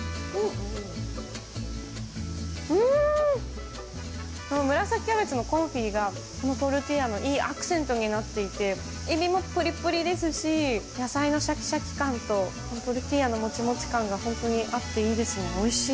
うーん、紫キャベツのコンフィが、このトルティーヤのいいアクセントになっていて、エビもぷりぷりですし、野菜のしゃきしゃき感とこのトルティーヤのもちもち感が本当に合っていいですね、おいしい。